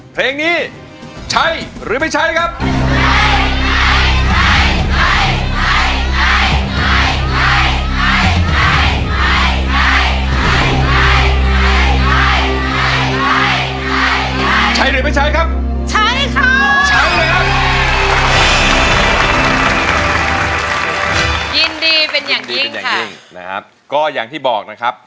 เพลงนี้ใช้หรือไม่ใช้ครับ